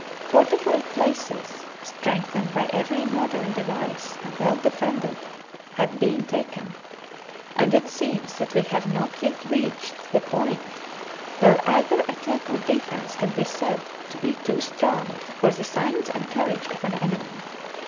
Fortified places, strengthened by every mod ern device and well defended, have been taken, and it seems that we have not yet reached the point where either attack or defence can be said to be too strong for the science and courage of an enemy.